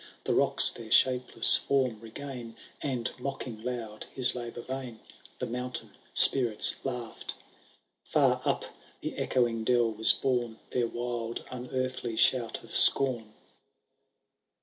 The rockt their shapeless form regain. And, mocking loud his labour vain. The mountain spirits laugh'd. Far up the echoing dell was borne Their wild unearthly shout of scorn.